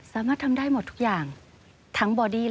สามารถทำได้หมดทุกอย่างทั้งบอดี้